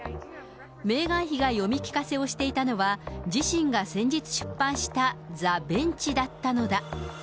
メーガン妃が読み聞かせをしていたのは、自身が先日出版した、ザ・ベンチだったのだ。